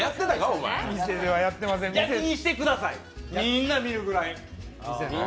お前逆にやってください、みんな見るぐらい。